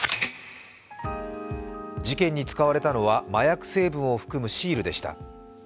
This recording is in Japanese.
事件に使われたのは麻薬成分を含むシールでした。